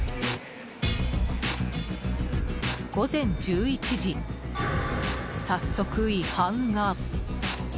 午前１１時、早速違反が。